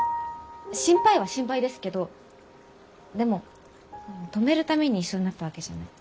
心配は心配ですけどでも止めるために一緒になったわけじゃない。